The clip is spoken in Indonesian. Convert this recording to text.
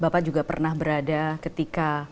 bapak juga pernah berada ketika